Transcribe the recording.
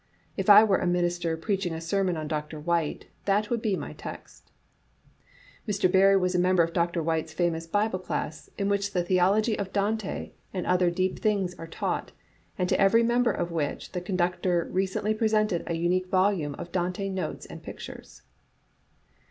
If I were a minister preach ing a sermon on Dr. Whyte, that would be my text." Mr. Barrie was a member of Dr. Whjrte's famous Bible class, in which the theology of Dante and other deep things are taught, and to every member of which the conductor ^recently presented a unique volume of Dante notes and pictures.